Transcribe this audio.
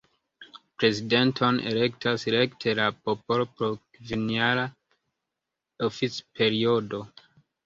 Prezidenton elektas rekte la popolo por kvinjara oficperiodo.